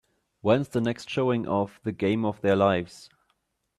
Whens the next showing of The Game of Their Lives